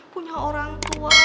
punya orang tua